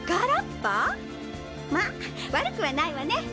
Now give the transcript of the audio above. まあわるくはないわね。